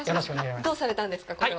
どうされたんですか、これは。